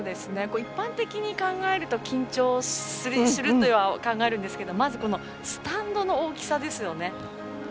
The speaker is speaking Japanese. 一般的に考えると緊張すると考えるんですがまずスタンドの大きさですよね。